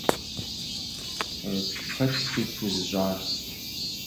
Хэт хуит узыщӀар?